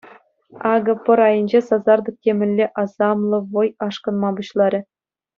Акӑ пӑр айӗнче сасартӑк темӗнле асамлӑ вӑй ашкӑнма пуҫларӗ.